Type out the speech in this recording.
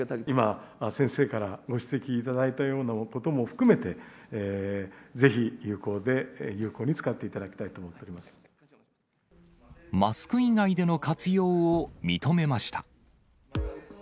今、先生からご指摘いただいたようなことも含めて、ぜひ有効に使っていただきたいと思っておマスク以外での活用を認めました。